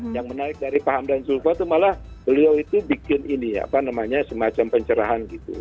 yang menarik dari pak hamdan zulfa itu malah beliau itu bikin ini ya apa namanya semacam pencerahan gitu